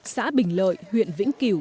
xã bình lợi huyện vĩnh kiều